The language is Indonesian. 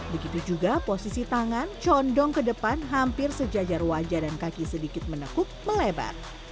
begitu juga posisi tangan condong ke depan hampir sejajar wajah dan kaki sedikit menekuk melebar